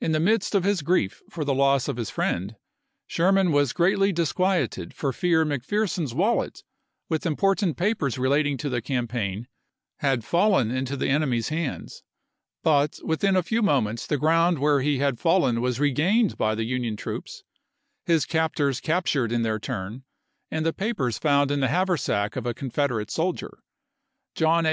In the midst of his grief for the loss of his friend, Sherman was greatly disquieted for fear McPherson's wallet with important papers relating to the campaign had fallen into the enemy's hands; but within a few moments the ground where he had fallen was regained by the Union troops, his cap tors captured in their turn, and the papers found in the haversack of a Confederate soldier. John A.